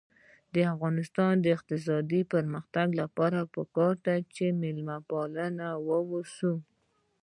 د افغانستان د اقتصادي پرمختګ لپاره پکار ده چې مېلمه پال اوسو.